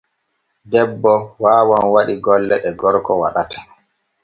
Debbo waawan waɗi golle ɗ e gorgo waɗata.